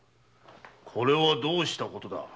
これはどうしたことだ。